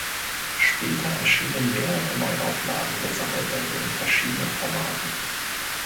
Später erschienen mehrere Neuauflagen der Sammelbände in verschiedenen Formaten.